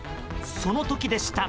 その時でした。